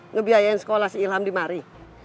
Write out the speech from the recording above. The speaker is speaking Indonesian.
ngebiayain sekolah si ilham di mari